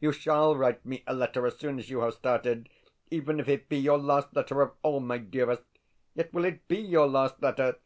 You SHALL write me a letter as soon as you have started, even if it be your last letter of all, my dearest. Yet will it be your last letter?